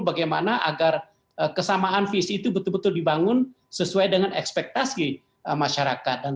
bagaimana agar kesamaan visi itu betul betul dibangun sesuai dengan ekspektasi masyarakat dan